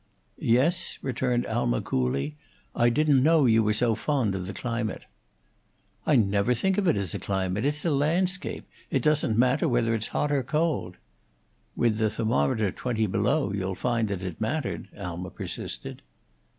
"Yes?" returned Alma, coolly. "I didn't know you were so fond of the climate." "I never think of it as a climate. It's a landscape. It doesn't matter whether it's hot or cold." "With the thermometer twenty below, you'd find that it mattered," Alma persisted.